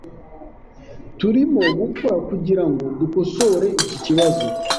Turimo gukora kugirango dukosore iki kibazo .